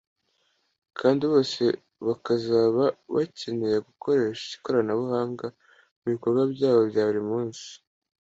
kandi bose bakazaba bakeneye gukoresha ikoranabuhanga mu bikorwa byabo bya buri munsi